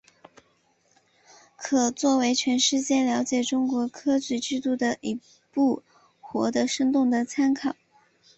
可作为全世界了解中国科举制度的一部活的生动的参考。